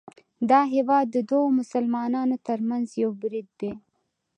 دا هیواد د دوو مسلمانانو ترمنځ یو برید دی